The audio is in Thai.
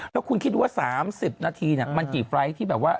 แล้วคุณคิดดูว่า๓๐นาทีมันกี่ไฟล์ทที่แบบว่า